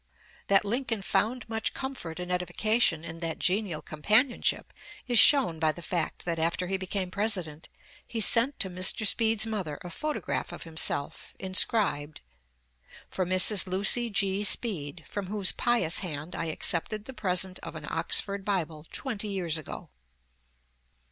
That Lincoln found much comfort and edification in that genial companionship is shown by the fact that after he became President he sent to Mr. Speed's mother a photograph of himself, inscribed, "For Mrs. Lucy G. Speed, from whose pious hand I accepted the present of an Oxford Bible twenty years ago."